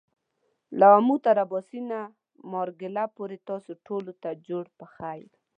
له آمو تر آباسينه ، مارګله پورې تاسو ټولو ته جوړ پخير !